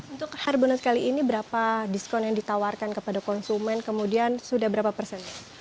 untuk harbonas kali ini berapa diskon yang ditawarkan kepada konsumen kemudian sudah berapa persen